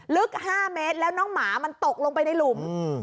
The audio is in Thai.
ลึก๕เมตรแล้วน้องหมามันตกลงไปในหลุม